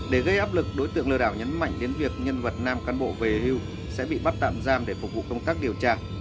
để gây áp lực đối tượng lừa đảo nhấn mạnh đến việc nhân vật nam cán bộ về hưu sẽ bị bắt tạm giam để phục vụ công tác điều tra